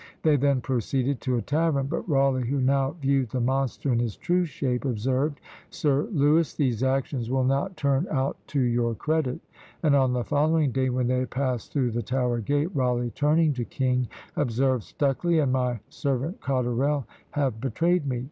They then proceeded to a tavern, but Rawleigh, who now viewed the monster in his true shape, observed, "Sir Lewis, these actions will not turn out to your credit;" and on the following day, when they passed through the Tower gate, Rawleigh, turning to King, observed, "Stucley and my servant Cotterell have betrayed me.